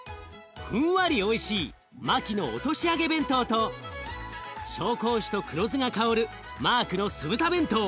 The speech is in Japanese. ふんわりおいしいマキの落とし揚げ弁当と紹興酒と黒酢が香るマークの酢豚弁当。